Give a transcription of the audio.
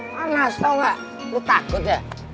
panas tau gak lu takut ya